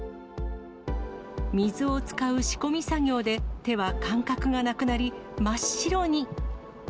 水を使う仕込み作業で手は感覚がなくなり、真っ白に。